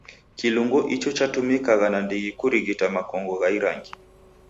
Kilungo icho chatumikagha nandighi kurighita makongo gha irangi.